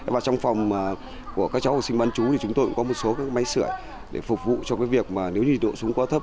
các trẻ học sinh bán chú thì chúng tôi cũng có một số máy sửa để phục vụ cho việc nếu nhiệt độ xuống quá thấp